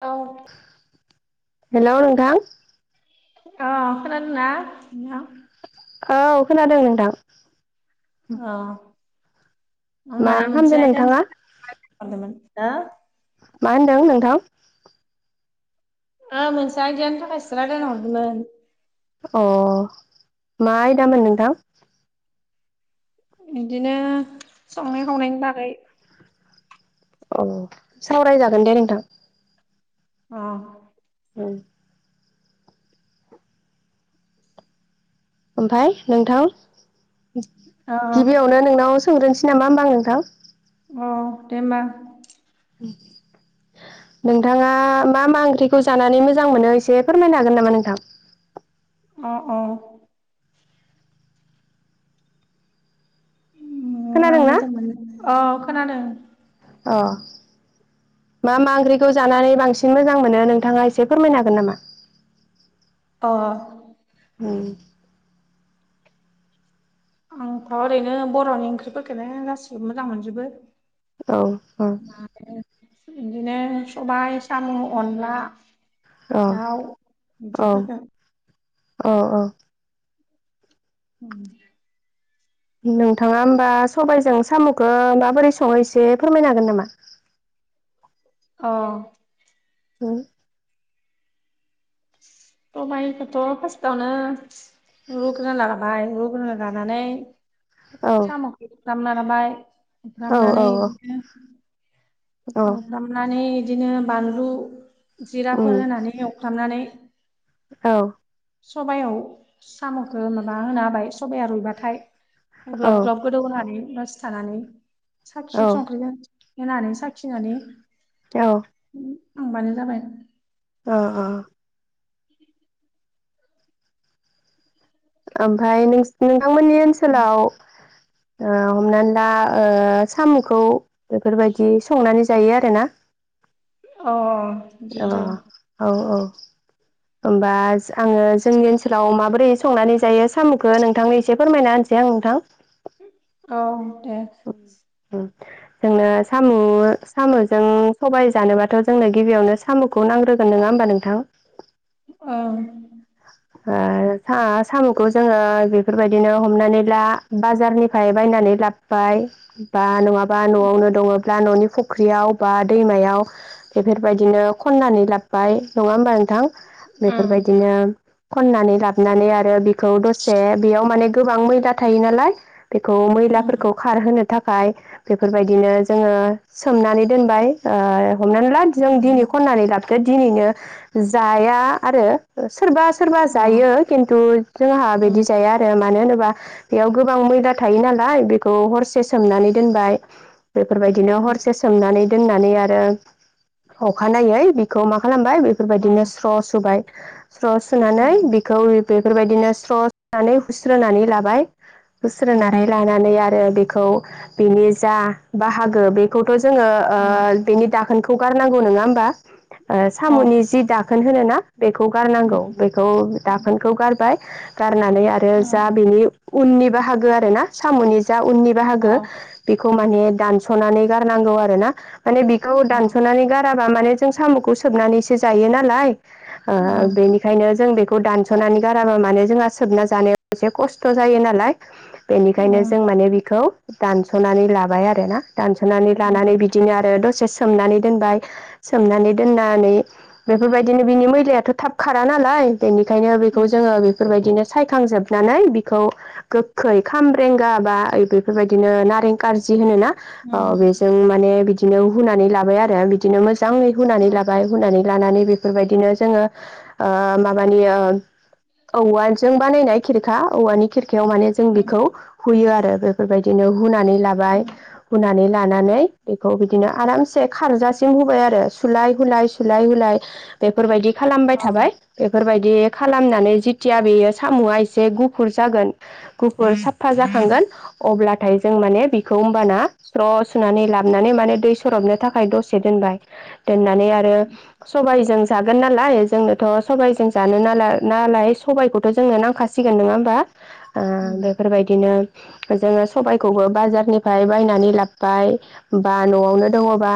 औ। हेलौ नोंथां। अ खनादोंना नोंथां? औ खोनादों नोंथां। अ आं मा माने खालामदों मोनसे नोंथाङा [unintelligible] मा होनदों नोंथां? ओ मोनसे आइदानि थाखाय सो रायलायनो हरदोंमोन। अ मा आयदामोन नोंथां? बिदिनो संनाय खावनायनि बागै। अ सावरायजागोन दे नोंथां। अ। औ। ओमफाय नोंथां औ गिबियावनो नोंनाव सोंग्रोनोसै नामा होमबा आं नोंथां? औ दे होमबा। उम। नोंथाङा मा मा ओंख्रिखौ जानानै मोजां मोनो एसे फोरमायनो हागोन नामा नोंथां? अ अ। उम आं खोनादोंना मोजां मोनो औ खोनादों। अ। मा मा ओंख्रिखौ जानानै बांसिन मोजां मोनो नोंथाङा एसे फोरमायनो हागोन नामा? अ। उम। आंथ' ओरैनो बर'नि ओंख्रिफोरखोनो गासिबो मोजां मोनजोबो। औ बिदिनो सबाय साम' अनला। अ दाउ अ बिदिफोरखौ अ अ। उम। नोंथाङा होमबा सबायजों साम'खौ माबोरै सङो एसे फोरमायनो हागोन नामा? अ। उम। सबायाइखौथ' फार्स्टावनो। रुग्रोना लाबाय रुग्रोना लानानै। ओमफ्राय साम'खौ एवफ्रामना लाबाय एफ्रामनानै बिदिनो। फ्रामनानै बिदिनो बानलु जिराफोर होनानै एवफ्रामनानै। औ। सबायाव साम'खो माबा होना होबाय सबाया रुइबाथाय। ग्लब ग्लब नोंथांमोननि गोदौ होनानै दसि थानानै साखि संख्रि जों। होनानै साखिनानै औ होमबानो जाबाय औ औ ओमफ्राय नोंथांमोननि ओनसोलाव ओ हमनानै ओ साम'खौ बेफोरबायदि संनानै जायो आरो ना अ बिदिनो जायो अ औ औ होमबा आङो जोंनि ओनसोलाव माबोरै संनानै जायो साम'खौ नोंथांनि एसे फोरमायना होनसै आं नोंथां औ दे उ जोंनो साम' साम'जों सबाय जानोबाथ' जोंनो गिबियावनो साम'खौ नांग्रोगोन नङा होम्बा नोंथां अ साम'खौ जोङो बेफोरबायदिनो हमनानै ला बाजारनिफ्राय बायनानै ला बा नङाबा न'आवनो दङब्ला न'नि फुख्रियाव बा दैमायाव बेफोरबायदिनो खननानै लाबोबाय नङा होमबा नोंथां ओम बेफोरबायदिनो खननानै लाबोनानै आरो बिखौ दसे बेयाव माने गोबां मैला थायो नालाय बेखौ मैला खारहोनो थाखाय बेफोरबायदिनो जोङो सोमनानै दोनबाय हमनानै ला जों दिनै ओम खननानै लाबोदो दिनैनो जाया आरो सोरबा सोरबा बेलेग जायो खिन्थु जोंहा बिदि जाया आरो आरो मानो होनोबा बेयाव गोबां मैला थायो नालाय बेखौ हरसे सोमनानै दोनबाय बेफोरबायदिनो हरसे सोमनानै दोननानै आरो अखानायै मा खालामबाय बेफोरबायदिनो स्र सुबाय स खौ बेफोरबायदिनो स्र'नानै हुस्रोनानै लाबाय हुस्रोनानै लानानै आरो आरो बेखौ बिनि जा बाहागो बेखौथ' जोङो बेनि दाखोनखौ गारनांगौ नङा होम्बा साम'नि जि दाखोन होनोना बेखौ गारनांगौ बेखौ दाखोनखौ गारबाय गारनानै आरो आरो जा बिनि उननि बाहागो आर ना साम'नि जा उननि बाहागो बेखौ माने दानस'नानै गारनांगौ आरो ना माने बिखौ दानस'नानै गाराबा माने जो साम'खौ संनाखौ सनानै जायो नालाय ओ ओंखायनो जों बेखौ दानस'नानै गाराबा मानोे जोंहा सोबना जानायाव एसे खस्थ' जायो नालाय बेनिखायनो जों माने बिखौ दानस'नानै लाबाय आरोना दानस'नानै लानानै बिदि बिदिनो आरो दसे सोमनानै दोनबाय सोमनानै दोननानै बेफोरबायदिनो बिनि मैलायाथ' थाब खारा नालाय बेनिखायनो बेखौ जोङो बेफोरबायदिनो सायखांजोबनानै बिखौ गोखै खामब्रें जा बा बेफोर बादिनो नारें काजि होनो ना बिदिनो हुनानै लाबाय आरो बिदिनो मोजाङै हुनानै लाबाय हुनानै लानानै बेफोरबायदिनो जोङो माबानि औवाजों बानायनाय खिरखा औवानि खिरखायाव माने जों बेखौ हुयो आरो बेफोरबायदिनो हुनानै लाबाय हुनानै लानानै बेखौ बिदिनो आरामसे खारजासिम होबाय आरो सुलाय हुलाय हुलाय हुलाय बेफोरबायदि खालामबाय थाबाय बेफोरबायदि खालामनानै जेथिया बेयो साम'आ एसे गुफुर जागोन गुफुर फा जाखांगोन अब्लाथाय जों माने बिखौ होमबाना स्र' सुनानै लाबनानै माने दै सरबनो थाखाय दसे दोनबाय दोननानै आरो सबाइजों जागोन नालाय जोंनोथ' सबायजों जानो ना नालाय सबायखौथ' जोंनो नांखााग सिगोन नङा होम्बा आ बेफोरबायदिनो जोङो सबायखौबो बाजारनिफ्राय बायनानै लाबोबाय बा न'आवनो दङबा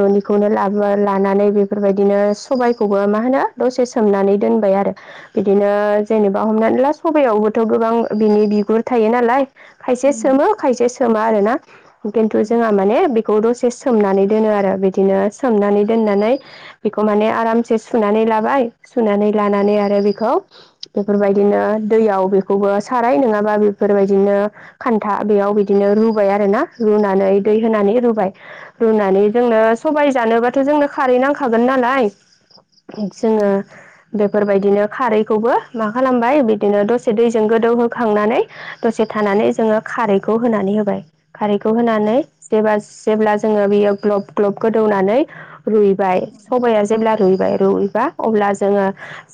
न'निखौनो लाबो लानानै बेफोरबायदिनो सबायखौबो मा होनो दसे सोमनानै दोनबाय आरो बिदिनो जेनेबा हमनानै ला सबयावबोथ' गोबां बिनि बिगुर थायो नालाय खायसे सोमो खायसे सोमो आरोना खिन्थु जोंहा माने खौ दसे सोमनानै दोनो आरो बिदिनो सोमनानै दोननानै बेखौ माने आरामसे सुनानै लाबाय सुनानै लानानै आरो बेखौ बेफोरबायदिनो दैयाव बेखौबो साराय नङाबा बे बेफोरबायदिनो खान्था बेयाव बिदिनो रुबाय आरोना रुनानै दै होनानै रुबाय। रुनानै जोंनो सबाय जानोबाथ' जोंनो खारै नांखागोन नालाय जोङो बेफोरबायदिनो खारैखौबो मा खालामबाय बिदिनो दसे दैजों गोदौहोखांनानै दसे थानानै जोङो खारैखौ होनानै होबाय खारैखौ होनानै जेबा जेब्ला जोङो बियो ग्लब ग्लब गोदौनानै रुइबाय सबाया जेब्ला रुइबाय रुइबा अब्ला जोङो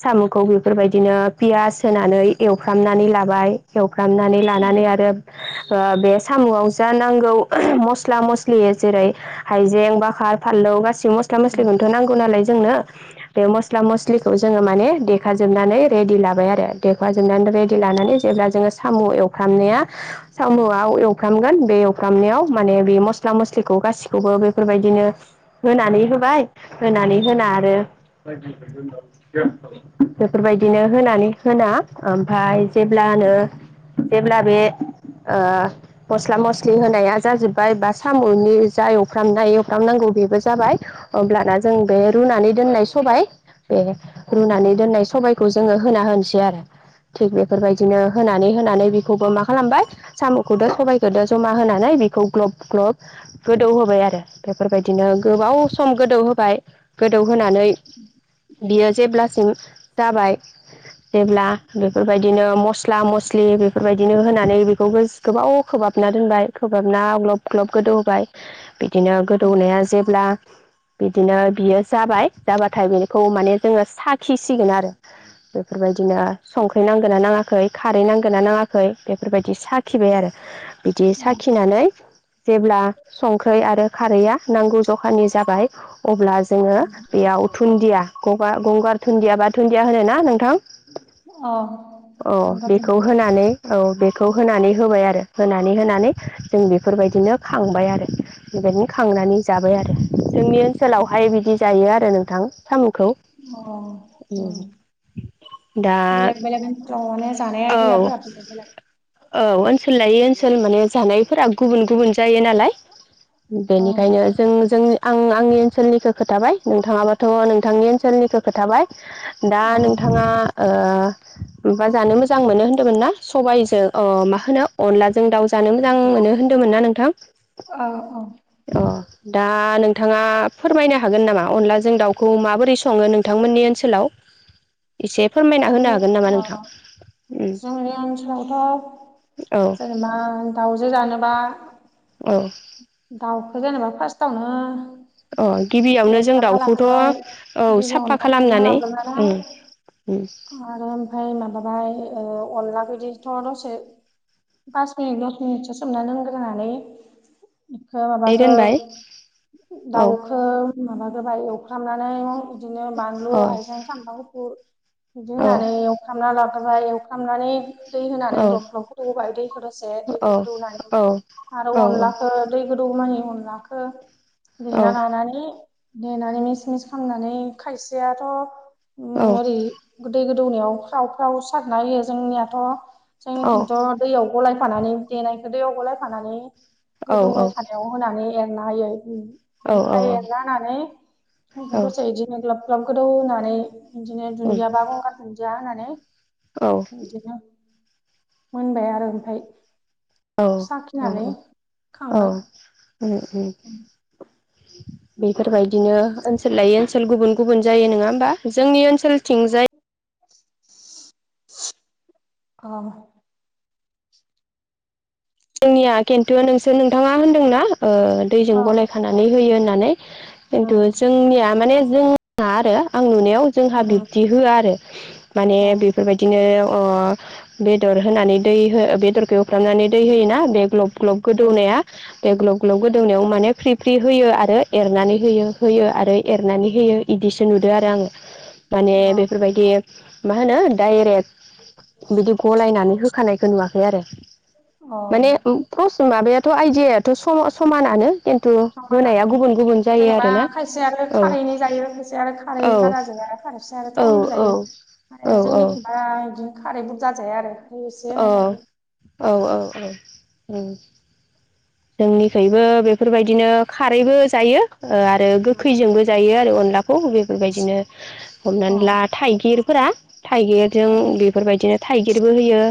साम'खौ बेफोरबायदिनो पियास होनानै एवफ्रामनानै लाबाय खेवफ्रामनानै लानानै आरो ओ बे साम'आव जा नांगौ मस्ला मस्लि जेरै हाइजें बाखार फानलौ गाैबो मस्ला मस्लिखौनोथ' नांगौ नालाय जोंनो बे मस्ला मस्लिखौ जोङो माने देखाजोबनानै रेडि लाबाय आरो देखाजोबनानै रेडि लानानै जेब्ला जों जोङो साम' एवफ्रामनाया साम'आव एवफ्रामगोन बे एवफ्रामनायाव माने बे मस्ला मस्लिखौ गासिखौबो बेफोरबायदिनो होनानै होबाय होनानै होना आरो [unintelligible] बेफोरबायदिनो होनानै होना ओमफ्राय जेब्लानो जेब्ला बे ओ मस्ला मस्लि होनाया जाजोब्बाय बा साम'नि जा एवफ्रामनाय एवफ्रामनांगौ बेबो जाबाय हब्लाना जों बे रुनानै दोननाय सबाय बे रुनानै दोननाय सबाय खौ जोङो होना होनोसै आरो थिग बेफोरबायदिनो होनानै होनानै बेखौबो मा खालामबाय साम'खौदो सबायखौदो जमा होनानै बेखौ ग्लब ग्लब गोदौ होबाय आरो बेफोरबायदिनो गोबाव सम गोदौ होबाय गोदौहोनानै बियो जेब्लासिम जाबाय जेब्ला बेफोरबायदिनो मस्ल ला मस्लि बेफोरबायदिनो होनानै बेखौबो गोबाव खोबहाबना दोनबाय खोबहाबना गब्ल ग्लब गोदौहोबाय बिदिनो गोदौनाया जेब्ला बिदिनो बियो जाबाय जाबाथाय बेखौ माने जोङो साखिसिगोन आरो बेफोरबायदिनो संख्रि नांगोनना नाङाखै खारै नांगोन ना नाङाखै बेफोरबायदि साखिबाय आरो बिदि साखिनानै जेब्ला संख्रै आरो खारैया नांगौ जखानि जाबाय अब्ला जोङो बेयाव दुन्दिया गगा गंगार दुन्दिया बा दुन्दिया होनो ना नोंथां अ गंगार दुनदि खौ होना नै औ बेखौ होनानै होबाय आरो होनानै होनानै जों बेफोरबायदिनो खांबाय आरो बेबायदिनो खांनानै जाबाय आरो जोंनि ओनसोलावहाय बिदि जायो आरो नोंथां सामखौ अ उम दा बेलेग बेलेग आव माने जानाय औ आइदियाफोरा बेलेग बेलेग औ ओनसोल लायै ओनसोल माने जानायफोरा गुबुन गुबुन जायो नालाय औ बेनिखायनो जों जों आं आंनि ओनसोलनिखौ खोथाबाय नोंथाङाबाथ' नोंथांनि ओनसोलनिखौ खोथाबाय दा औ नोंथाङा ओ माबा जानो मोजां मोजां मोनो होनदों ना सबाय जों अ मा होनो अलाजों दाउजों जानो मोजां मोनो होनदोंमोनना नोंथां औ औ अ दा नोंथाङा फोरमायनो हागोन नामा अनलाजों दाउखौ माबोरै सङो नोंथांमोननि ओनसोलाव? [inaudible] एसे फोरमायना होनो हागोन नामा अ नोंथां उम जोंनि ओनसोलावथ' औ जेनेबा दाउजो जानोबा औ दाउखौ जेनेबा फार्स्टआवनो अ गिबियावनो जों दाउखौथ' औ गिबियावनो साफा एवफ्रामना खालामनानै लाग्रोनानै उम आरो ओमफ्राय माबाबाय ओ अनला गददिथ' [unintelligible] दसे पास मिनिट दस मिनिटसो सोमना दोनग्रोनानै इखो दै माबाखो दोनबाय औ अ दाउखो माबा जाबाय एवफ्रामनानै बिदिनो बानलु हायजें सामब्राम गुफुर बिदि औ होनानै एवफ्रामना लाखाबाय एवफ्रामनानै दै औ होनानै ग्लब ग्लब गोथौ होबाय दैखौ दसे औ दैखौ गोदौनै आरो औ अनलाखो दै गोदौगौमानि अनलाखौ औ देना लानानै देनानै मिक्स मिक्स खालामनानै खायसेयाथ' उम ओरै गोदै गोदौनायाव फ्राव फ्राव सारना होयो जोंनियाथ' जोंनिखिनथ' दैयाव गलायफानानै देनाय दैयाव गलायफानानै गोदौबाय औ थानायाव होनानै एरना होयो औ बेनिफ्राय औ एरना होनानै औ दसे इदि दिनो ग्लब ग्लब गोदौ होनानै बिदिनो उम दुन्दिया बा गंगार दुन्दिया होनानै औ इदिनो मोनबाय आरो ओमफ्राय औ साखिनानै औ खांबाय उम उम [inaudible] बेफोरबायदिनो ओनसोल लायै ओनसोल गुबुन गुबुन जायो नङा ओमबा जोंनि ओनसोल थिंजाय अ जोंनिया खिन्थुआ नोंसोर नोंथाङा होनदोंना ओ दैजों औ गलाय खानानै होयो होननानै खिन्थु उम जोंनिया माने जोंना आरो आं नुनायाव जोंहा उम बिब्दि होआ आरो माने औ बेफोरबाय दिनो अ बेदर होनानै दै बेदरखौ एवफ्रामनानै दै होयोना बे ग्लब बे ग्लब गोदौनाया बे ग्लब ग्लब गोदौनायाव माने फ्रि ख्रि होयो आरो एरनानै होयो होयो आरो एरनानै होयो बिदिसो नुदो आरो आङो माने औ बेफोरबायदि मा होनो डाइरेक् बिदि गलायनानै हो खानायखौ नुवाखै आरो औ माने फ्रस माबायाथ' आइदियाथ' सम समानानो खिन्थु होनाया समनानै गुबुन गुबुन जायो जेनेबा आरोना खायसे आरो औ खारैनि जायो खायसे आरो खारै औ बारा जाया खारैसो आरो औ थावनिबो औ जायो औ जोंनिखिबा बिदिनो खारै बुरजा जाया आरो खारै एसे अ होना जायो औ औ औ जोंनिखैबो बेफोरबायदिनो खारैबो जायो ओ आरो गोखैजोंबो जायो आरो अनलाखौ बेफोरबायदिनो हमनानै अ ला थाइगिरफोरा थाइगिरजों बेफोरबायदिनो थाइगिरबो होयो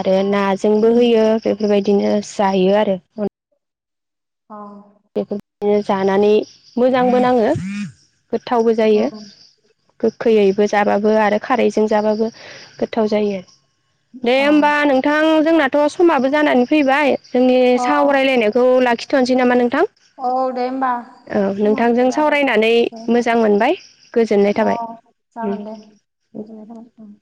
आरो नाजोंबो होयो बेफोरबायदिनो जायो आरो अ बेफोरदिनो जानानै मोजांबो नाङो गोथावबो अ जायो गोखैयैबो जाबाबो आरो खारैजों जाबाबो गोथाव जायो दे अ ओमबा नोंथां जोंनाथ' समाबो जानानै फैबाय जोंनि सावरायलायनायखौ लाखिथ'नोसै नामा नों औ दे ओमबा समाबो नोंथांजों जाबाय सावरायनानै दे ओमबा मोजां मोनबाय गोजोननाय अ थाबाय। उम। जागोन दे गोजोननाय थाबाय